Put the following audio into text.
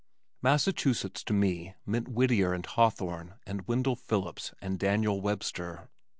Massachusetts to me meant Whittier and Hawthorne and Wendell Phillips and Daniel Webster.